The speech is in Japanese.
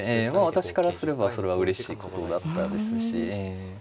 私からすればそれはうれしいことだったですしええ。